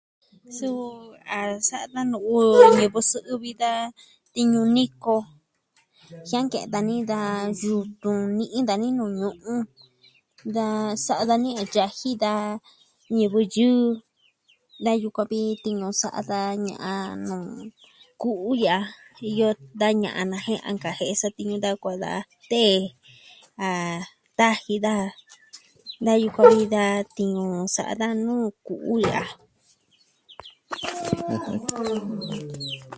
Suu, a sa'a da nu'u ñivɨ sɨ'ɨ vi da tiñu niko. Jianke'en dani da yutun, ni'i dani nuu ñu'un. Da sa'a dani a yaji da ñivɨ yɨɨ, da yukuan vi tiñu sa'a da ña'an nuu ku'u ya'a. Iyo da ña'an na jen a nkajie'e satiñu da kuaa da tee, a taji daja, da yukuan vi da tiñu sa'a da nuu ku'u ya'a.